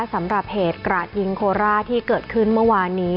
สำหรับเหตุกราดยิงโคราชที่เกิดขึ้นเมื่อวานนี้